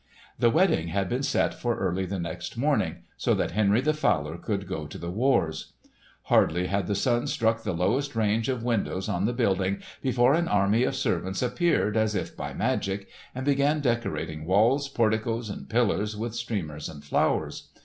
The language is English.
The wedding had been set for early the next morning, so that Henry the Fowler could go to the wars. Hardly had the sun struck the lowest range of windows on the building, before an army of servants appeared, as if by magic, and began decorating walls, porticos, and pillars with streamers and flowers.